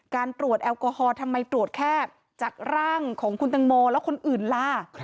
การตรวจแอลกอฮอล์ทำไมตรวจแค่จากร่างของคุณตังโมแล้วคนอื่นล่ะ